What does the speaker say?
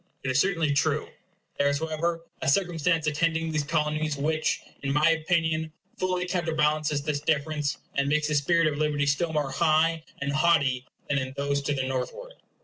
It is certainly true. There is, however, a circumstance attending these Colonies which, in my opinion, fully counterbalances this difference, and makes the spirit of liberty still more high and haughty than in those to the northward.